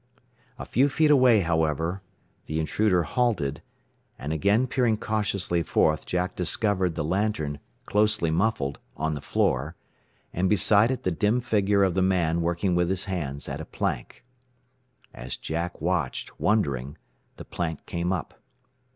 A few feet away, however, the intruder halted, and again peering cautiously forth Jack discovered the lantern, closely muffled, on the floor, and beside it the dim figure of the man working with his hands at a plank. As Jack watched, wondering, the plank came up.